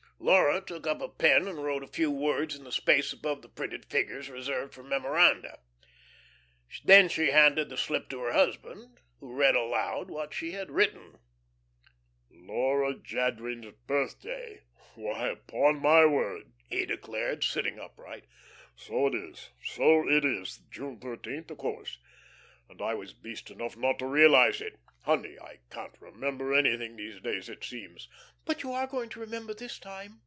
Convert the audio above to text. Laura took up a pen and wrote a few words in the space above the printed figures reserved for memoranda. Then she handed the slip to her husband, who read aloud what she had written. "'Laura Jadwin's birthday.' Why, upon my word," he declared, sitting upright. "So it is, so it is. June thirteenth, of course. And I was beast enough not to realise it. Honey, I can't remember anything these days, it seems." "But you are going to remember this time?"